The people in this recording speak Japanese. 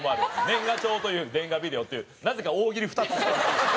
「年賀状というより年賀ビデオ」っていうなぜか大喜利２つ。